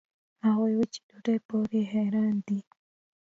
هغوي وچې ډوډوۍ پورې حېران دي.